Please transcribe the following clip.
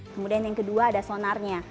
kemudian yang kedua ada sonarnya